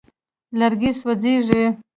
لرګي سوځېږي.